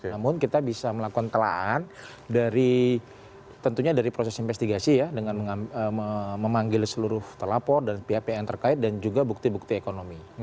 namun kita bisa melakukan telahan tentunya dari proses investigasi ya dengan memanggil seluruh telapor dan pihak pihak yang terkait dan juga bukti bukti ekonomi